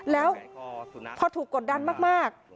แล้วพอถูกกดดันมาก